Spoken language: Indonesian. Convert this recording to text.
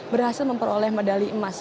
berhasil memperoleh medali emas